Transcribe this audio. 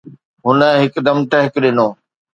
هن هڪدم ٽهڪ ڏنو.